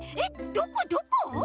どこどこ？